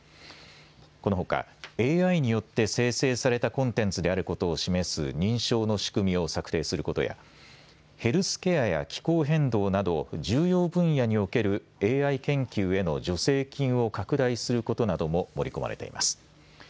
このほかＡＩによって生成されたコンテンツであることを示す認証の仕組みを策定することやヘルスケアや気候変動など重要分野におけるＡＩ研究への助成金を拡大することなども盛り込まれています。